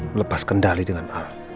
melepas kendali dengan al